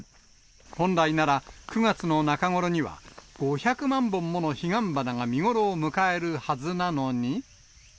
本来なら、９月の中頃には、５００万本もの彼岸花が見頃を迎えるはずなのに。